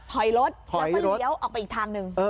ถอยรถแล้วก็เลี้ยวออกไปอีกทางหนึ่ง